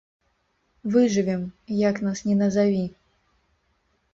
Выжывем, як нас ні назаві.